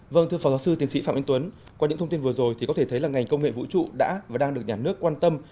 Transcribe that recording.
vâng thưa phó giáo sư tiến sĩ phạm anh tuấn qua những thông tin vừa rồi thì có thể thấy là ngành công nghệ vũ trụ đã và đang được nhà nước quan tâm